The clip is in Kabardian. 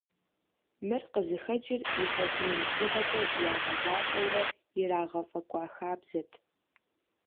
Мыр къызыхэкӀыр илъэс мин бжыгъэкӀэ ягъэзащӀэурэ ирагъэфӀэкӀуа хабзэт.